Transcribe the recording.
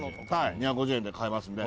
２５０円で買えますんで。